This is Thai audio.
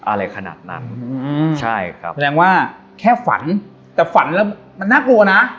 อะไรขนาดนั้นอืมใช่ครับแสดงว่าแค่ฝันแต่ฝันแล้วมันน่ากลัวนะ